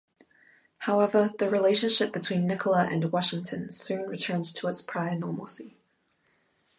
However, the relationship between Nicola and Washington soon returned to its prior normalcy.